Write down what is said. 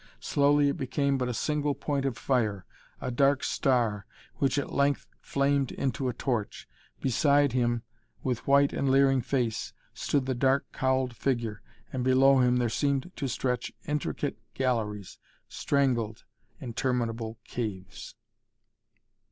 Slowly it became but a single point of fire, a dark star, which at length flamed into a torch. Beside him, with white and leering face, stood the dark cowled figure, and below him there seemed to stretch intricate galleries, strangled, interminable caves.